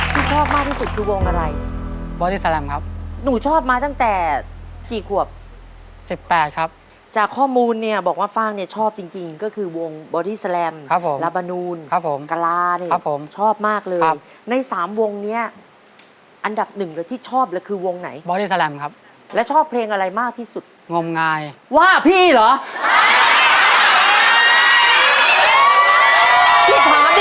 ชอบมากที่สุดคือวงอะไรบอดี้แลมครับหนูชอบมาตั้งแต่กี่ขวบสิบแปดครับจากข้อมูลเนี่ยบอกว่าฟ่างเนี่ยชอบจริงจริงก็คือวงบอดี้แลมครับผมลาบานูนครับผมกะลานี่ครับผมชอบมากเลยครับในสามวงเนี้ยอันดับหนึ่งเลยที่ชอบเลยคือวงไหนบอดี้แลมครับแล้วชอบเพลงอะไรมากที่สุดงมงายว่าพี่เหรอ